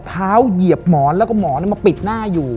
เหยียบหมอนแล้วก็หมอนมาปิดหน้าอยู่